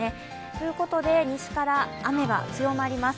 ということで、西から雨が強まります。